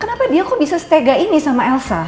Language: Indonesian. kenapa dia kok bisa stega ini sama elsa